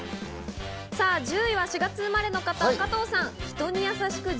さぁ１０位は４月生まれの方、加藤さん。